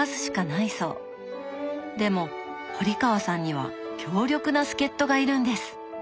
でも堀川さんには強力な助っ人がいるんです！